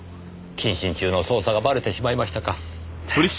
謹慎中の捜査がばれてしまいましたか。